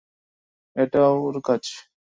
এটাও ওর কাজ।